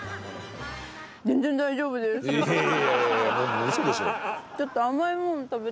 いやいや嘘でしょ